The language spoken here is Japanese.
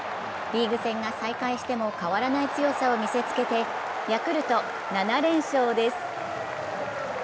リーグ戦が再開しても変わらない強さを見せつけてヤクルト、７連勝です。